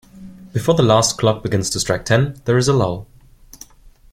Before the last clock begins to strike ten, there is a lull.